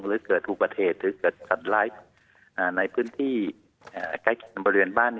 หรือเกิดอุบัติเหตุหรือเกิดสัตว์ร้ายในพื้นที่ใกล้บริเวณบ้าน